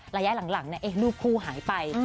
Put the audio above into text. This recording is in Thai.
ระยะหลังรูปคู่หายไป